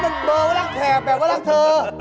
มันเบอร์ว่ารักแถบแบบว่ารักเธอ